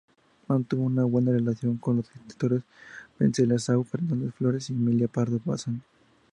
Mantuvo una buena relación con los escritores Wenceslao Fernández Florez y Emilia Pardo Bazán.